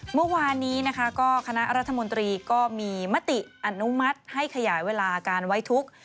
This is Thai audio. เมื่อวานนี้นะคะก็คณะรัฐมนตรีก็มีมติอนุมัติให้ขยายเวลาการไว้ทุกข์